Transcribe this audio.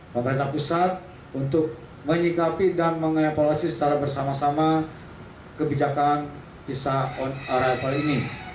pemerintah pusat untuk menyikapi dan mengevaluasi secara bersama sama kebijakan visa on arrival ini